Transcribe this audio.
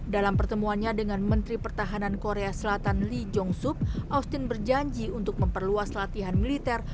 dalam pertemuannya dengan menteri pertahanan korea selatan lee jong sup austin berjanji untuk memperluas latihan militer